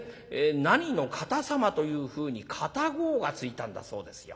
何の方様というふうに方号がついたんだそうですよ。